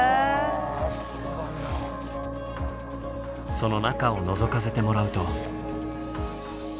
その中をのぞかせてもらうと。